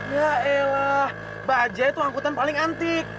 ya elah mbak ajaya tuh angkutan paling antik